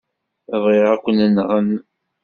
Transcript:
Ma bɣiɣ, ad ken-nɣen.